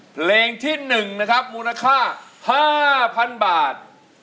เพลงที่๑นะครับมูลค่า๕๐๐๐บาท